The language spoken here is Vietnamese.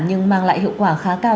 nhưng mang lại hiệu quả khá cao